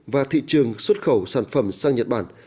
và thị trường xuất khẩu sản phẩm sang nhật bản